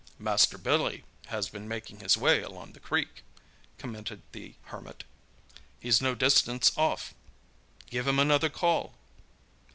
"Master Billy has been making his way along the creek," commented the Hermit. "He's no distance off. Give him another call."